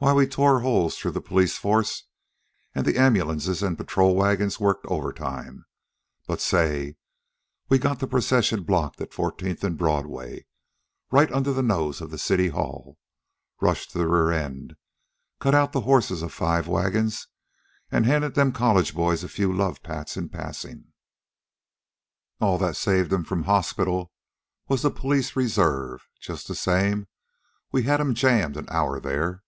Why, we tore holes through the police force, an' the ambulances and patrol wagons worked over time. But say, we got the procession blocked at Fourteenth and Broadway, right under the nose of the City Hall, rushed the rear end, cut out the horses of five wagons, an' handed them college guys a few love pats in passin'. All that saved 'em from hospital was the police reserves. Just the same we had 'em jammed an hour there.